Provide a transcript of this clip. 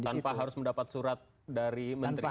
tanpa harus mendapat surat dari menteri